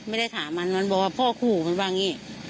ไม่ได้ถามมันมันบอกว่าพ่อขู่มันว่าอย่างนี้